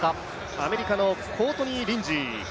アメリカのコートニー・リンジー。